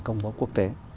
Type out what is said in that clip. công bố quốc tế